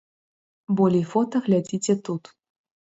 Болей фота глядзіце тут.